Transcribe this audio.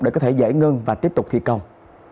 để có thể giải ngân và tiếp tục thi công